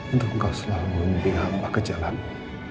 untuk kau selalu mimpi amba ke jalanmu